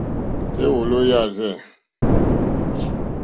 Èwòló yâ rzɛ̂.